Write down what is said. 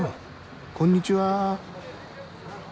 こんにちは。